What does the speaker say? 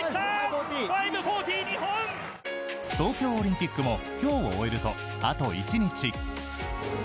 東京オリンピックも今日を終えると、あと１日。